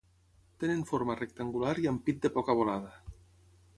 Tenen forma rectangular i ampit de poca volada.